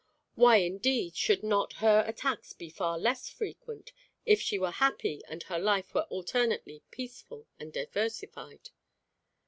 Why, indeed, should not her attacks be far less frequent, if she were happy and her life were alternately peaceful and diversified?